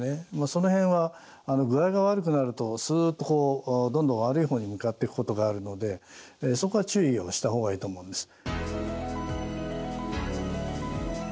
その辺は具合が悪くなるとすっとどんどん悪い方に向かっていくことがあるのでそこは注意をした方がいいと思うんです。